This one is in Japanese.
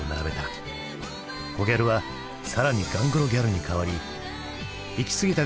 コギャルは更にガングロギャルに変わりいきすぎた